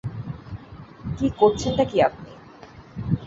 কী করছেন টা কি আপনি?